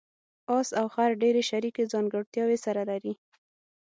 اس او خر ډېرې شریکې ځانګړتیاوې سره لري.